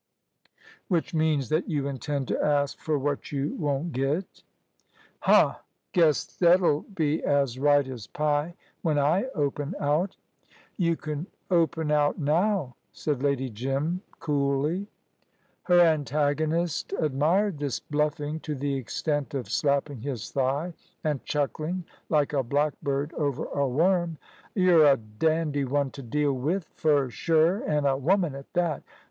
"Which means that you intend to ask for what you won't get." "Huh! Guess thet'll be as right as pie, when I open out." "You can open out now," said Lady Jim, coolly. Her antagonist admired this bluffing to the extent of slapping his thigh, and chuckling like a blackbird over a worm. "You're a dandy one t' deal with, fur sure, an' a woman at that.